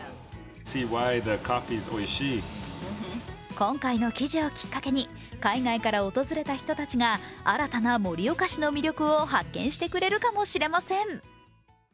今回の記事をきっかけに海外から訪れた人たちが新たな盛岡市の魅力を発見してくれるかもしれません。